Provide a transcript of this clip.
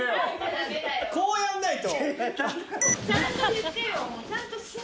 こうやんないと。